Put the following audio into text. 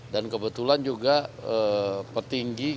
dan kebetulan juga petinggi gerindra